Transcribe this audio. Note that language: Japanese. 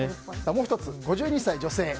もう１つ、５２歳女性。